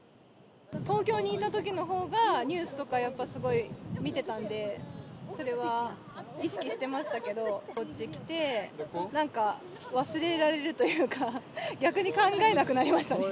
東京にいたときのほうが、ニュースとか、やっぱすごい見てたんで、それは意識してましたけど、こっち来て、なんか忘れられるというか、逆に考えなくなりましたね。